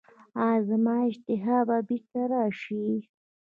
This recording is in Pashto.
ایا زما اشتها به بیرته راشي؟